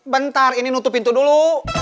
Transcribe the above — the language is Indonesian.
bentar ini nutup pintu dulu